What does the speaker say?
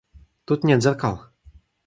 — Тут нет зеркал.